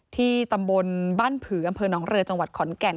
ที่ตำบลบ้านผืออำเภอหนองเรือจังหวัดขอนแก่น